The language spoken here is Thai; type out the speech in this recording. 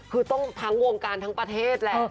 คือต้องทั้งวงการทั้งประเทศแหละ